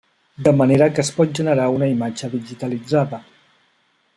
De manera que es pot generar una imatge digitalitzada.